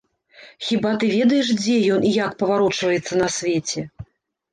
Хіба ты ведаеш, дзе ён і як паварочваецца на свеце?